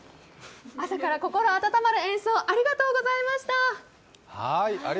朝から心温まる演奏をありがとうございました。